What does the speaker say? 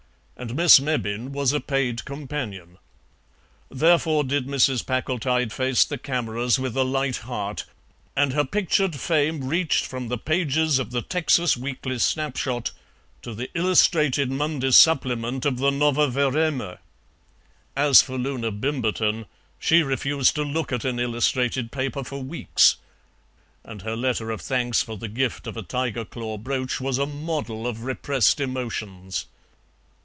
And Miss Mebbin was a paid companion. Therefore did Mrs. Packletide face the cameras with a light heart, and her pictured fame reached from the pages of the TEXAS WEEKLY SNAPSHOT to the illustrated Monday supplement of the NOVOE VREMYA. As for Loona Bimberton, she refused to look at an illustrated paper for weeks, and her letter of thanks for the gift of a tiger claw brooch was a model of repressed emotions.